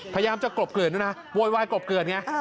พยายามจะกลบเกลื่อนด้วยนะโวยวายกลบเกลือดไง